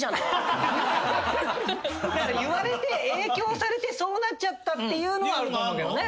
言われて影響されてそうなっちゃったっていうのはあると思うけどね。